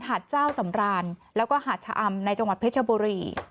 หาดเจ้าสำรานแล้วก็หาดชะอำในจังหวัดเพชรบุรี